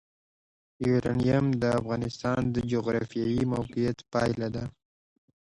یورانیم د افغانستان د جغرافیایي موقیعت پایله ده.